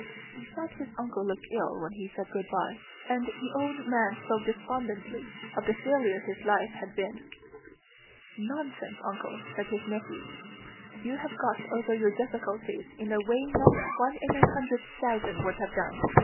He thought his uncle looked ill when he said good by, and the old man spoke despondently of the failure his life had been. "Nonsense, uncle!" said his nephew. "You have got over your difficulties in a way not one in a hundred thousand would have done.